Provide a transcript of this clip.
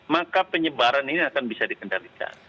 maka penyebaran ini akan bisa dikendalikan